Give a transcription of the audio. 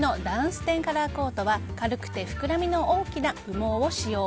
ステンカラーコートは軽くて膨らみの大きな羽毛を使用。